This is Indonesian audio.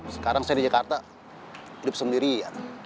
sekarang saya di jakarta lip sendirian